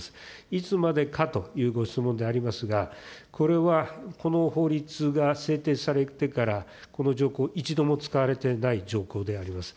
いつまでかというご質問でありますが、これはこの法律が制定されてからこの条項、一度も使われていない条項であります。